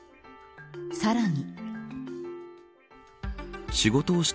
さらに。